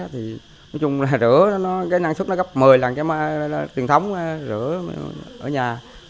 thì nói chung là rửa nó cái năng suất nó gấp một mươi lần cái máy truyền thống rửa ở nhà